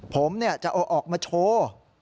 ผมจะเอาออกมาโชว์